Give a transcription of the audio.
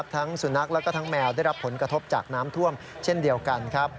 ทั้งสุนัขและทั้งแมวได้รับผลกระทบจากน้ำท่วมเช่นเดียวกันครับ